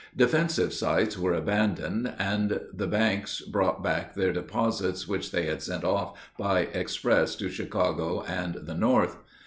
"Defensive sites" were abandoned, and the banks brought back their deposits which they had sent off by express to Chicago and the North.